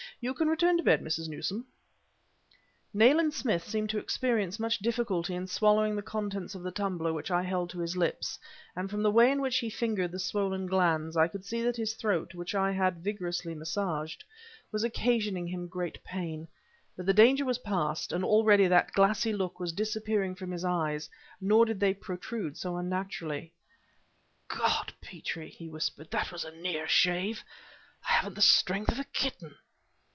You can return to bed, Mrs. Newsome." Nayland Smith seemed to experience much difficulty in swallowing the contents of the tumbler which I held to his lips; and, from the way in which he fingered the swollen glands, I could see that his throat, which I had vigorously massaged, was occasioning him great pain. But the danger was past, and already that glassy look was disappearing from his eyes, nor did they protrude so unnaturally. "God, Petrie!" he whispered, "that was a near shave! I haven't the strength of a kitten!"